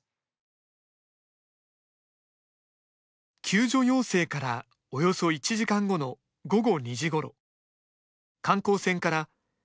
救助要請からおよそ１時間後の午後２時ごろ。